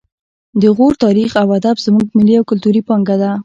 د غور تاریخ او ادب زموږ ملي او کلتوري پانګه ده